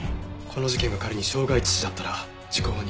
この事件が仮に傷害致死だったら時効は２０年。